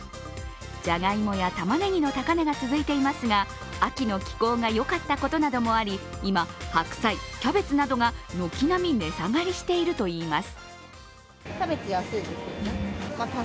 じゃがいもやたまねぎの高値が続いていますが、秋の気候がよかったことなどもあり、今、白菜、キャベツなどが軒並み値下がりしているといいます。